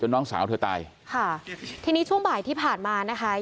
น้องสาวเธอตายค่ะทีนี้ช่วงบ่ายที่ผ่านมานะคะ